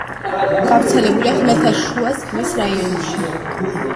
გავრცელებულია ხმელთაშუა ზღვის რაიონებში.